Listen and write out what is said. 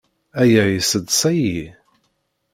Aya yesseḍsay-iyi.